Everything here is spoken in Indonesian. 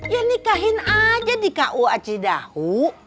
ya nikahin aja di kua cidahu